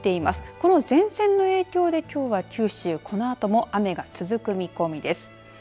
この前線の影響できょうは九州はこのあとも雨が続く見込みです。